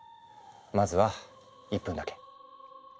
まずは１分だけ。